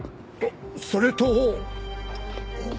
それと。